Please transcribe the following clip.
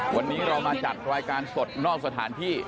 วันนี้เรามาจัดรายการสดนอกสถานที่